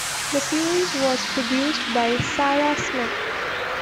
The series was produced by Sarah Smith.